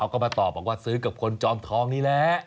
ก็มาตอบบอกว่าซื้อกับคนจอมทองนี่แหละ